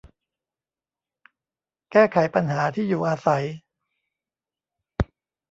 แก้ไขปัญหาที่อยู่อาศัย